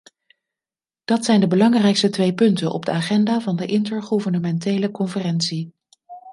Dat zijn de belangrijkste twee punten op de agenda van de intergouvernementele conferentie.